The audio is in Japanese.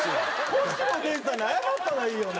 星野源さんに謝った方がいいよお前。